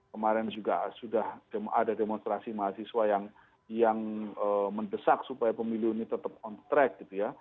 kemarin juga sudah ada demonstrasi mahasiswa yang mendesak supaya pemilih ini tetap on track